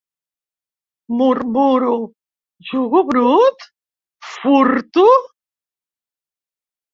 Murmuro: «jugo brut? furto?»...